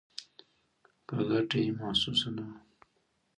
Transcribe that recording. که ګټه یې محسوسه نه وه.